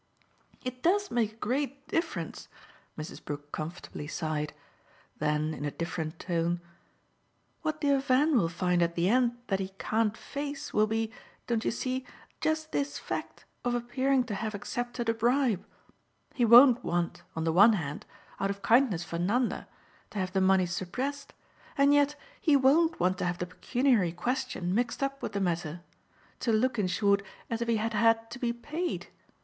"It does make a great difference!" Mrs. Brook comfortably sighed. Then in a different tone: "What dear Van will find at the end that he can't face will be, don't you see? just this fact of appearing to have accepted a bribe. He won't want, on the one hand out of kindness for Nanda to have the money suppressed; and yet he won't want to have the pecuniary question mixed up with the matter: to look in short as if he had had to be paid.